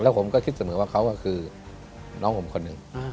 ผมก็คิดเสมอว่าเขาก็คือน้องผมคนหนึ่ง